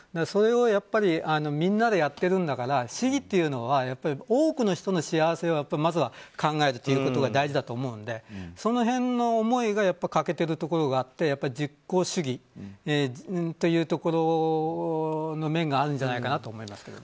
それを、やっぱりみんなでやってるんだから市議っていうのは多くの人の幸せをまずは考えることが大事だと思うのでその辺の思いが欠けてるところがあって実行主義というところの面があるんじゃないかなと思います。